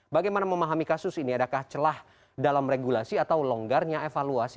bagaimana memahami kasus ini adakah celah dalam regulasi atau longgarnya evaluasi